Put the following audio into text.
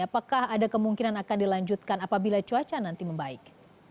apakah ada kemungkinan akan dilanjutkan apabila cuaca nanti membaik